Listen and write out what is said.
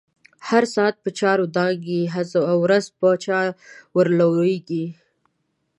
هر ساعت په چاور دانګی، هزه ورځ په چا ور لويږی